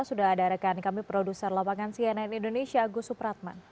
sudah ada rekan kami produser lapangan cnn indonesia agus supratman